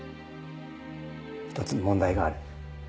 １つ問題がある。